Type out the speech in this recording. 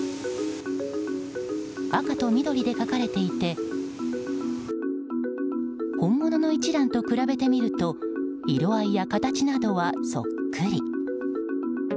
赤と緑で書かれていて本物の一蘭と比べてみると色合いや形などはそっくり。